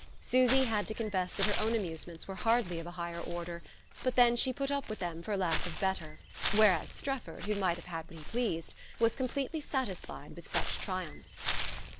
Susy had to confess that her own amusements were hardly of a higher order; but then she put up with them for lack of better, whereas Strefford, who might have had what he pleased, was completely satisfied with such triumphs.